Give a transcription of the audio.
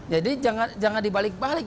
jadi jangan dibalik balik